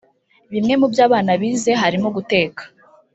Bimwe mu byo abana bize harimo guteka